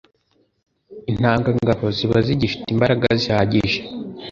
intanga ngabo ziba zigifite imbaraga zihagije